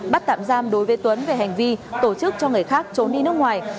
bắt tạm giam đối với tuấn về hành vi tổ chức cho người khác trốn đi nước ngoài